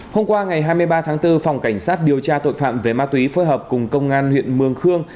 hôm qua ngày hai mươi ba tháng bốn phòng cảnh sát điều tra tội phạm về ma túy phối hợp cùng công an huyện mường khương